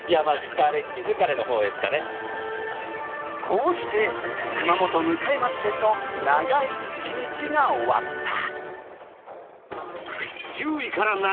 こうして熊本迎町店の長い一日が終わった。